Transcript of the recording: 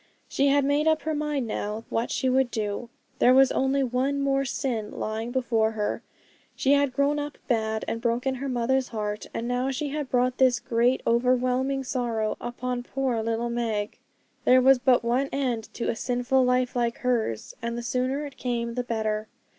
She had made up her mind now what she would do. There was only one more sin lying before her. She had grown up bad, and broken her mother's heart, and now she had brought this great overwhelming sorrow upon poor little Meg. There was but one end to a sinful life like hers, and the sooner it came the better.